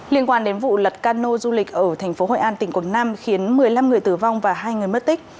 liên quan đến vụ lật cano du lịch ở thành phố hội an tỉnh quảng nam khiến một mươi năm người tử vong và hai người mất tích